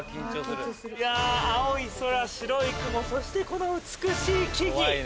いやー、青い空、白い雲、そして、この美しい木々。